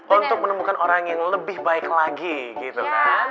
untuk menemukan orang yang lebih baik lagi gitu kan